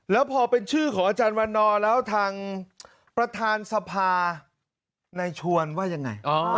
แล้วพอเป็นชื่อของอาจารย์วันนอร์แล้วทางประธานสภาในชวนว่ายังไง